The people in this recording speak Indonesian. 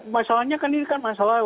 masalahnya kan ini kan masalah